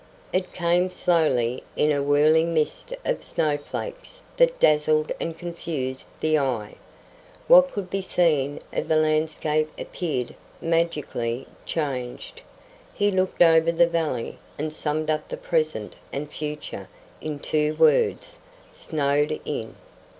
It came slowly in a whirling mist of snowflakes that dazzled and confused the eye. What could be seen of the landscape appeared magically changed. He looked over the valley, and summed up the present and future in two words "snowed in!"